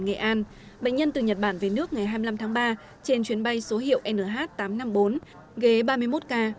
bệnh nhân từ nhật bản về nước ngày hai mươi năm tháng ba trên chuyến bay số hiệu nh tám trăm năm mươi bốn ghế ba mươi một k